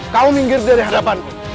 kau minggir dari hadapanku